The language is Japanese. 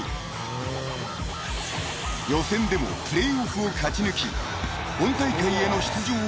［予選でもプレーオフを勝ち抜き本大会への出場を決める